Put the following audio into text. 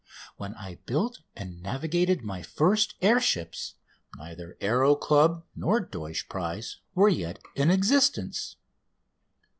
When I built and navigated my first air ships neither Aéro Club nor Deutsch prize were yet in existence.